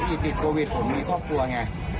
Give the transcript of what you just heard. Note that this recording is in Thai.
ติดโควิดผมมีครอบครัวไง